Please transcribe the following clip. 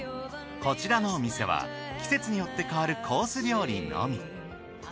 こちらのお店は季節によって変わるコース料理のみ。